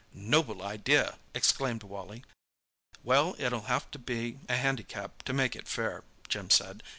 "Noble idea!" exclaimed Wally. "Well, it'll have to be a handicap to make it fair," Jim said.